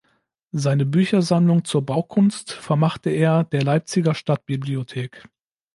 Seine Büchersammlung zur Baukunst vermachte er der Leipziger Stadtbibliothek.